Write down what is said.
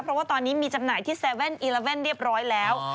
เพราะว่าตอนนี้มีจำหน่ายที่๗๑๑เรียบร้อยแล้ว